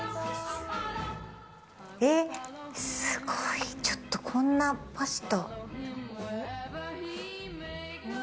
えっ、すごい、ちょっとこんなパスタ。